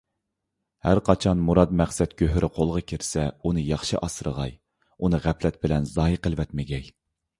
ھەرقاچان مۇراد - مەقسەت گۆھىرى قولغا كىرسە، ئۇنى ياخشى ئاسرىغاي، ئۇنى غەپلەت بىلەن زايە قىلىۋەتمىگەي.